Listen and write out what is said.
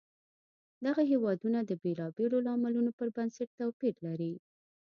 دغه هېوادونه د بېلابېلو لاملونو پر بنسټ توپیر لري.